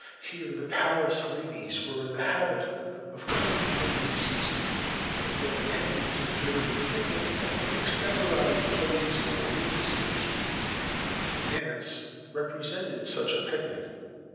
Here the Palace ladies were in the habit of coming every season, and their attendants enjoyed a picnic and extemporized plays for the ladies' amusement. The dance represented such a picnic.